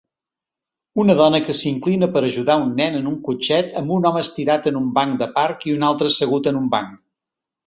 Una dona que s'inclina per ajudar un nen en un cotxet amb un home estirat en un banc de parc i un altre assegut en un banc